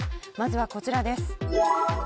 まずはこちらです。